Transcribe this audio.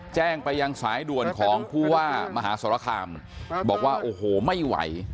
แจ้งไปยังสายด่วนของผู้ว่ามหาสรคามบอกว่าโอ้โหไม่ไหว